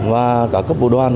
và các cấp bộ đoàn